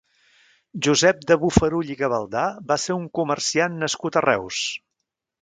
Josep de Bofarull i Gavaldà va ser un comerciant nascut a Reus.